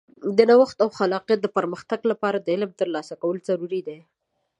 د نوښت او خلاقیت د پرمختګ لپاره د علم ترلاسه کول ضروري دي.